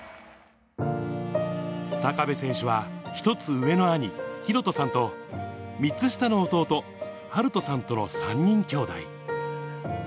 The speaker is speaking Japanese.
高部選手は１つ上の兄、寛斗さんと、３つ下の弟、晴斗さんとの３人兄弟。